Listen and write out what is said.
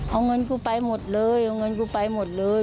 เอาเงินกูไปหมดเลยเอาเงินกูไปหมดเลย